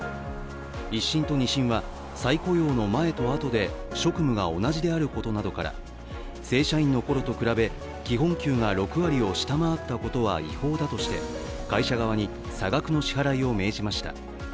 １審と２審は再雇用の前と後で職務が同じであることから正社員のころと比べ、基本給が６割を下回ったことは違法だとして会社側に差額の支払いを命じました。